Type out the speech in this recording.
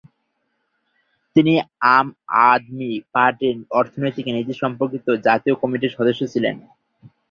তিনি আম আদমি পার্টির অর্থনৈতিক নীতি সম্পর্কিত জাতীয় কমিটির সদস্য ছিলেন।